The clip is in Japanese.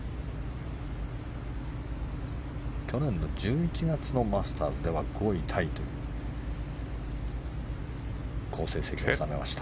去年の１１月のマスターズでは５位タイという好成績を収めました。